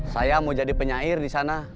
saya mau jadi penyair disana